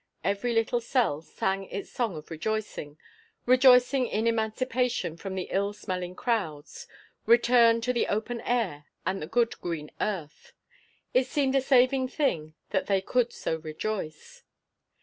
Every little cell sang its song of rejoicing rejoicing in emancipation from the ill smelling crowds, return to the open air and the good green earth. It seemed a saving thing that they could so rejoice.